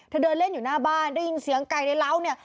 เธอเดินเล่นอยู่หน้าบ้านได้ยินเสียงไก่ในเล้าเนี่ย